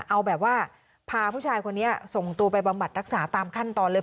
เอาแบบว่าพาผู้ชายคนนี้ส่งตัวไปบำบัดรักษาตามขั้นตอนเลย